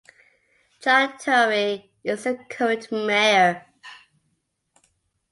John Tory is the current mayor.